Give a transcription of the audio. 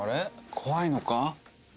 怖いのか？